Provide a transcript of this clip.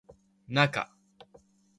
なか